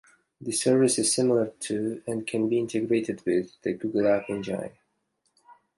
The service is similar to, and can be integrated with, the Google App Engine.